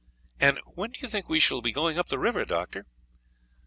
"And when do you think that we shall be going up the river, Doctor?"